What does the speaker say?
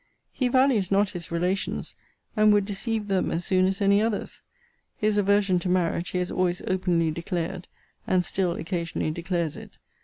He values not his relations; and would deceive them as soon as any others: his aversion to marriage he has always openly declared; and still occasionally declares it.